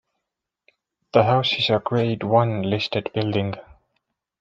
The house is a Grade One listed building.